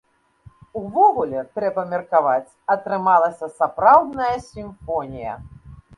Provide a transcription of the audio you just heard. Увогуле, трэба меркаваць, атрымалася сапраўдная сімфонія.